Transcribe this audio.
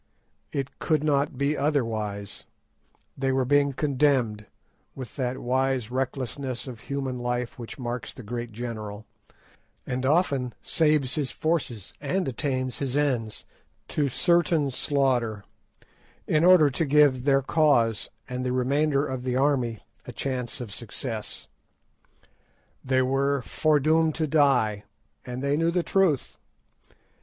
It could not be otherwise; they were being condemned, with that wise recklessness of human life which marks the great general, and often saves his forces and attains his ends, to certain slaughter, in order to give their cause and the remainder of the army a chance of success. They were foredoomed to die, and they knew the truth.